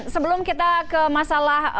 sebelum kita ke masalah